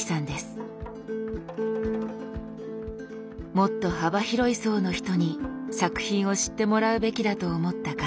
「もっと幅広い層の人に作品を知ってもらうべきだ」と思った笠谷さん。